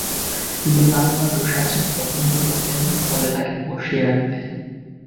তিনি লাল বাহাদুর শাস্ত্রীকে পছন্দ করতেন না, ফলে তাঁকে বসিয়ে রাখতেন।